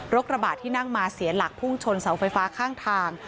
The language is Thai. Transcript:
กระบะที่นั่งมาเสียหลักพุ่งชนเสาไฟฟ้าข้างทาง